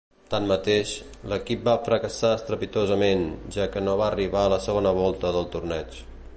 Tanmateix, l'equip va fracassar estrepitosament, ja que no va arribar a la segona volta del torneig.